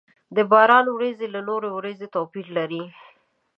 د باران ورېځې له نورو ورېځو توپير لري.